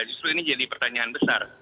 justru ini jadi pertanyaan besar